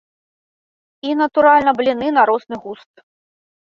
І, натуральна, бліны на розны густ.